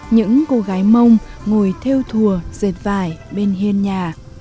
những cô gái mông ngồi theo thùa dệt vải bên hiên nhà